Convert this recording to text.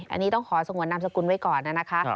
อันนี้ต้องขอสงวนนามสกุลไว้ก่อนนะคะ